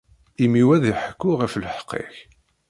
Imi-w ad iḥekku ɣef lḥeqq-ik.